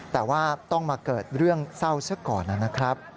แต่ว่าต้องมาเกิดเรื่องเศร้าซะก่อนนะครับ